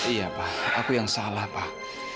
iya pak aku yang salah pak